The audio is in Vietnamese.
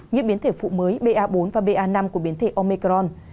như biến thể phụ mới ba bốn và ba năm của biến thể omicron